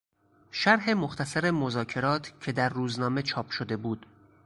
شرح مختصر مذاکرات که در روزنامه چاپ شده بود